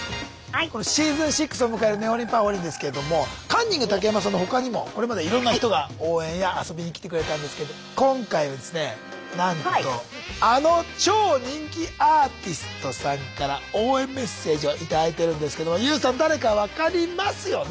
このシーズン６を迎える「ねほりんぱほりん」ですけれどもカンニング竹山さんの他にもこれまでいろんな人が応援や遊びに来てくれたんですけど今回ですねなんとあの超人気アーティストさんから応援メッセージを頂いてるんですけどＹＯＵさん誰か分かりますよね？